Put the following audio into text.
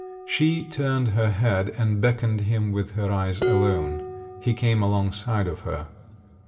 She turned her head and beckoned him with her eyes alone. He came alongside of her.